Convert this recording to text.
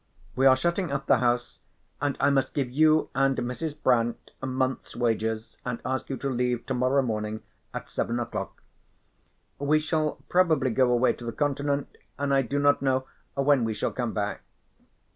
We are shutting up the house, and I must give you and Mrs. Brant a month's wages and ask you to leave to morrow morning at seven o'clock. We shall probably go away to the Continent, and I do not know when we shall come back.